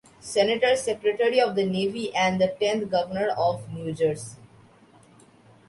Senator, Secretary of the Navy, and the tenth Governor of New Jersey.